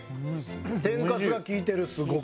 天かすが利いてるすごく。